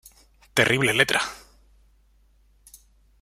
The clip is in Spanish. Terrible letra".